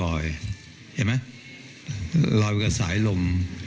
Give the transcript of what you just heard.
เห็นไหมลอยไปกับสายลม